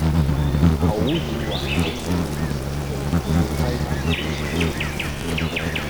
口語還口語，用字要規範少少